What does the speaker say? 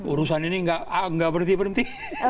urusan ini nggak berhenti berhenti